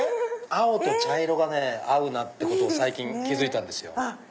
青と茶色が合うなってことを最近気付いたんですよ。